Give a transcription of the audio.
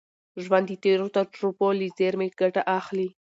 ژوند د تېرو تجربو له زېرمي ګټه اخلي.